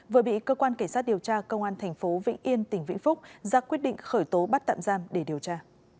vừa bị cơ quan cảnh sát điều tra công an tp vĩnh yên tỉnh vĩnh phúc ra quyết định khởi tố bắt tạm giam để điều tra